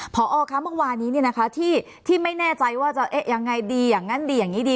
พอคะเมื่อวานนี้ที่ไม่แน่ใจว่าจะยังไงดีอย่างนั้นดีอย่างนี้ดี